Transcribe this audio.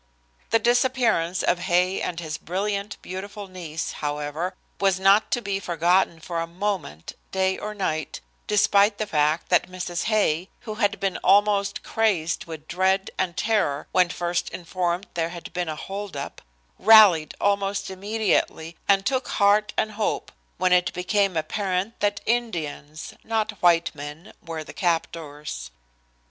The disappearance of Hay and his brilliant, beautiful niece, however, was not to be forgotten for a moment, day or night, despite the fact that Mrs. Hay, who had been almost crazed with dread and terror when first informed there had been a "hold up," rallied almost immediately, and took heart and hope when it became apparent that Indians, not white men, were the captors.